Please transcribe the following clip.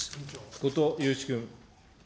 後藤祐一君。